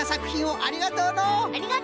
ありがとう！